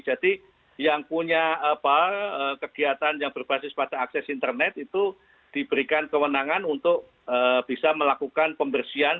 jadi yang punya kegiatan yang berbasis pada akses internet itu diberikan kewenangan untuk bisa melakukan pembersihan